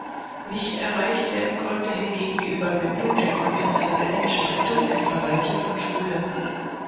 Nicht erreicht werden konnte hingegen die Überwindung der konfessionellen Spaltung in Verwaltung und Schule.